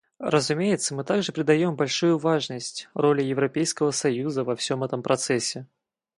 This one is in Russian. Разумеется, мы также придаем большую важность роли Европейского союза во всем этом процессе.